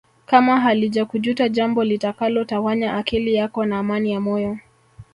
Kama halijakujuta jambo litakalo tawanya akili yako na amani ya moyo